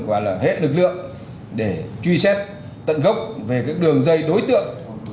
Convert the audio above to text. và là hệ lực lượng để truy xét tận gốc về các đường dây đối tượng